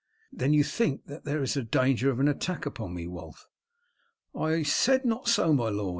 "Then you think that there is danger of an attack upon me, Wulf?" "I said not so, my lord.